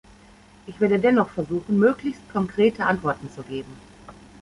Ich werde dennoch versuchen, möglichst konkrete Antworten zu geben.